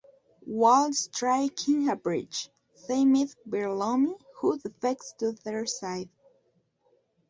While striking a bridge, they meet Virlomi, who defects to their side.